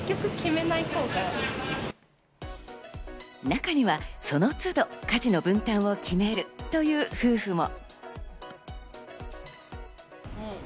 中にはその都度、家事の分担を決めるという夫婦も。